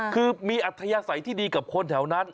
คือมีอัธยาศัยที่ดีกับคนแถวนั้น